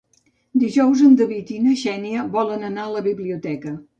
Dijous en David i na Xènia volen anar a la biblioteca.